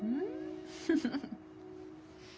フフフ！